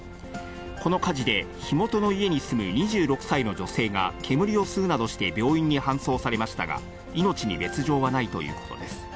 この火事で火元の家に住む２６歳の女性が煙を吸うなどして病院に搬送されましたが、命に別状はないということです。